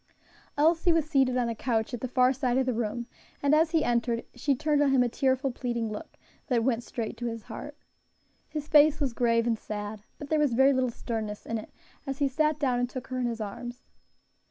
Elsie was seated on a couch at the far side of the room, and as he entered she turned on him a tearful, pleading look, that went straight to his heart. His face was grave and sad, but there was very little sternness in it, as he sat down and took her in his arms.